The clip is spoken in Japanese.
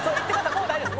もう大丈夫です